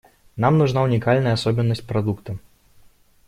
Нам нужна уникальная особенность продукта.